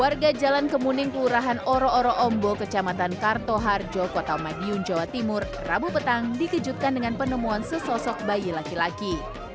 warga jalan kemuning kelurahan oro oro ombo kecamatan kartoharjo kota madiun jawa timur rabu petang dikejutkan dengan penemuan sesosok bayi laki laki